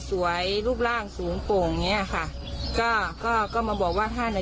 รูปร่างสูงโป่งอย่างเงี้ยค่ะก็ก็ก็มาบอกว่าท่านอ่ะ